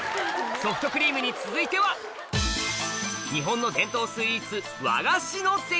ソフトクリームに続いては日本の伝統スイーツ